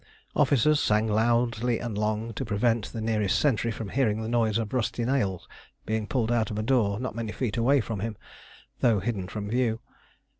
Officers sang loudly and long to prevent the nearest sentry from hearing the noise of rusty nails being pulled out of a door not many feet away from him, though hidden from view.